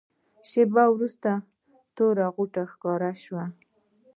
شېبه وروسته توره غوټه ښکاره شوه.